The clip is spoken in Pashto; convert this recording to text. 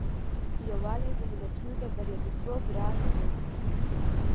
یووالی د ملتونو د بریالیتوب راز دی.